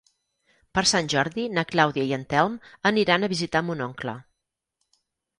Per Sant Jordi na Clàudia i en Telm aniran a visitar mon oncle.